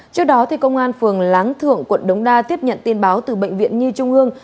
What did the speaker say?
trước đó công an phường láng thượng quận đống đa tiếp nhận tin báo từ bệnh viện nhi trung hương